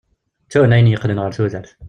Ttun ayen yeqqnen ɣer tudert.